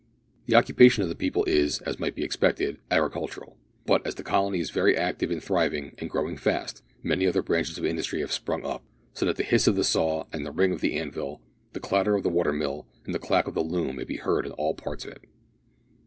The occupation of the people is, as might be expected, agricultural; but, as the colony is very active and thriving and growing fast, many other branches of industry have sprung up, so that the hiss of the saw and the ring of the anvil, the clatter of the water mill, and the clack of the loom, may be heard in all parts of it.